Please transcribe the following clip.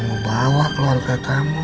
kamu bawa keluarga kamu